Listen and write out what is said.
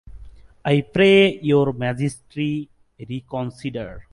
I pray Your Majesty reconsider.